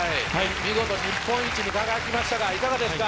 見事日本一に輝きましたがいかがですか？